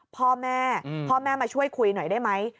พ่อแม่พ่อแม่มาช่วยคุยหน่อยได้ไหม